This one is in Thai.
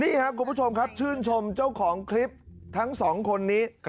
นี่ครับคุณผู้ชมครับชื่นชมเจ้าของคลิปทั้งสองคนนี้